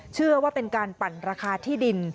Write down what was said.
เชื่อว่าเป็นการปั่นราคาที่ดิน